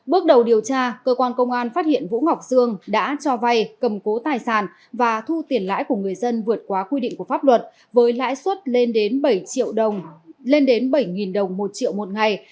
bước đầu điều tra cơ quan công an phát hiện vũ ngọc dương đã cho vai cầm cố tài sản và thu tiền lãi của người dân vượt qua quy định của pháp luật với lãi suất lên đến bảy đồng một triệu một ngày